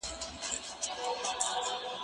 زه به کتابونه ليکلي وي!.